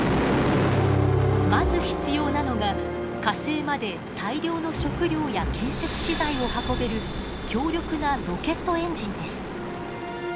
まず必要なのが火星まで大量の食糧や建設資材を運べる強力なロケットエンジンです。